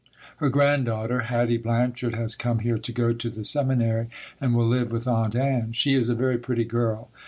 Her granddaughter, Hattie Blanchard, has come here to go to the seminary and will live with Aunt Ann. She is a very pretty girl.